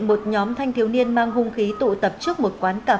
một nhóm thanh thiếu niên mang hung khí tụ tập trước một quán